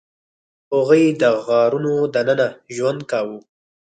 هغوی د غارونو دننه ژوند کاوه.